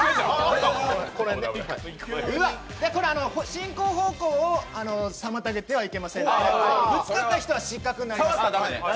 進行方向を妨げてはいけませんのでぶつかった人は失格になります。